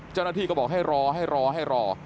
เจ้าหน้าที่ก็บอกให้รอให้รอให้รอ